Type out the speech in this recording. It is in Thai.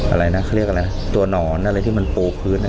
อะไรนะเขาเรียกอะไรตัวหนอนอะไรที่มันปูพื้น